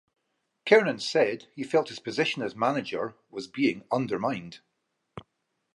Kernan said he felt his position as manager was being 'undermined'.